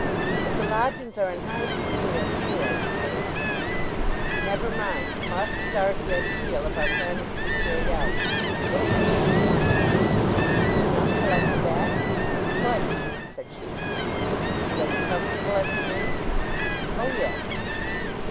"If the lodgings are in High Street they are dear, I suppose?" "Never mind—you must start genteel if our plan is to be carried out. Look to me for money. Have you enough till I come back?" "Quite," said she. "And are you comfortable at the inn?" "O yes."